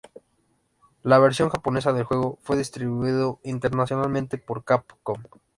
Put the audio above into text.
La versión japonesa del juego fue distribuido internacionalmente por Capcom.